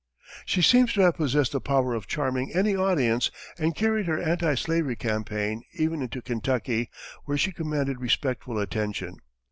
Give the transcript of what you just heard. She seems to have possessed the power of charming any audience, and carried her anti slavery campaign even into Kentucky, where she commanded respectful attention.